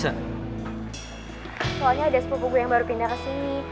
soalnya ada sepupu gue yang baru pindah kesini